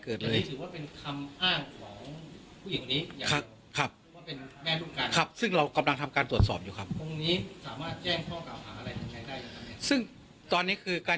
เกิดเลยครับซึ่งเรากำลังทำการตรวจสอบอยู่ครับตอนนี้คือการ